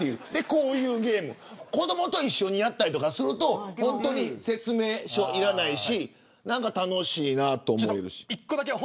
こういうゲーム子どもと一緒にやったりすると説明書、いらないし何か楽しいなと思えるし。